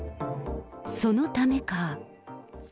そのためか。